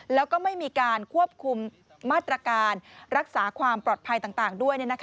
แล้วก็ไม่มีการควบคุมมาตรการรักษาความปลอดภัยต่างด้วย